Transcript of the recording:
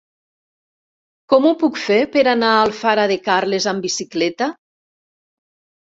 Com ho puc fer per anar a Alfara de Carles amb bicicleta?